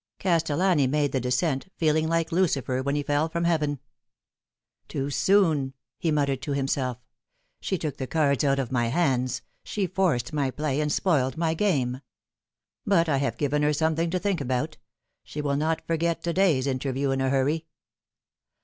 Castellani made the descent, feeling like Lucifer when he fell from heaven. " Too soon !" he muttered to himself. " She took the cards out of my hands she forced my play, and spoiled my game. But I have given her something to think about. She will not forget to day's interview in a hurry."